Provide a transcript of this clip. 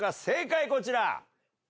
正解こちら。